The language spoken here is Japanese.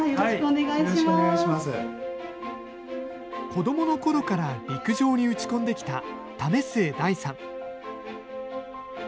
子どものころから陸上に打ち込んできた為末大さん。